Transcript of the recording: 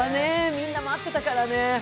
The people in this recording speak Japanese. みんな待ってたからね。